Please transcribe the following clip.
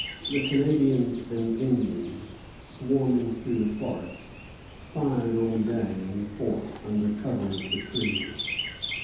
The Canadians and Indians, swarming through the forest, fired all day on the fort under cover of the trees.